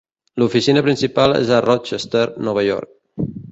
L'oficina principal és a Rochester, Nova York.